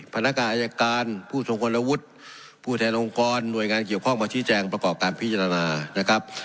พนักงานอายการผู้ทรงคนละวุฒิผู้แทนองค์กรหน่วยงานเกี่ยวข้องมาชี้แจงประกอบการพิจารณานะครับ